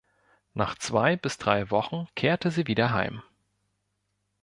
Nach zwei bis drei Wochen kehrte sie wieder heim.